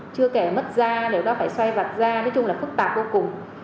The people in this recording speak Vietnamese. chưa kể mất da nếu đó phải xoay vặt da nói chung là phức tạp vô cùng